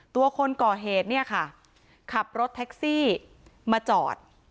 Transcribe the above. คนก่อเหตุเนี่ยค่ะขับรถแท็กซี่มาจอด